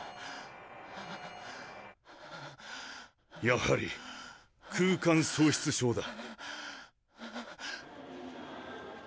やはり空間喪失症だ。